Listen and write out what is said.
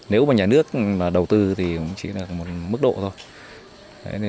nếu mà nhà nước đầu tư thì cũng chỉ là một mức độ thôi